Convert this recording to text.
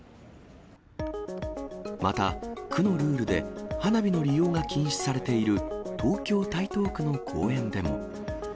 また、区のルールで花火の利用が禁止されている東京・台東区の公園でも。